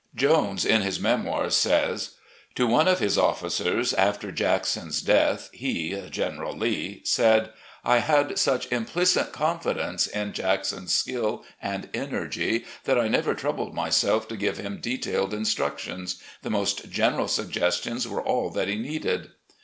..." Jones, in his Memoirs, says: "To one of his officers, after Jackson's death, he [General Lee] said: T had such implicit confidence in Jackson's skill and energy that I never troubled myself to give him detailed instructions. The most general suggestions were all that he needed.